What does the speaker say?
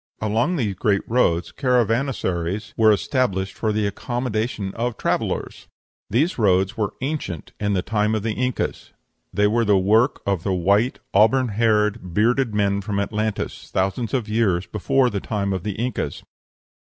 Along these great roads caravansaries were established for the accommodation of travellers. These roads were ancient in the time of the Incas. They were the work of the white, auburn haired, bearded men from Atlantis, thousands of years before the time of the Incas.